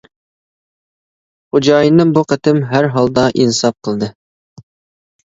خوجايىنىم بۇ قېتىم ھەر ھالدا ئىنساب قىلدى.